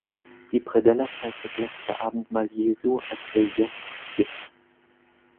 Die Predella zeigt das letzte Abendmahl Jesu als Relief aus Gips.